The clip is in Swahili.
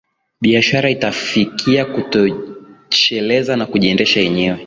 biashara itafikia kujitosheleza na kujiendesha yenyewe